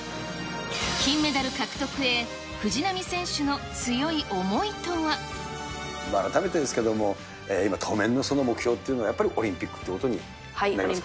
金メダル獲得へ、改めてですけども、今、当面の目標っていうのは、オリンピックということになりますか。